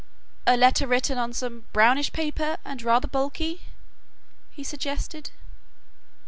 "A letter written on some brownish paper and rather bulky," he suggested.